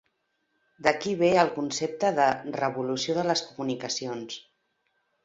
D'aquí ve el concepte de "revolució de les comunicacions".